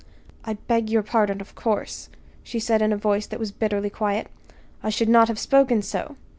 "I beg your pardon, of course," she said in a voice that was bitterly quiet. "I should not have spoken so.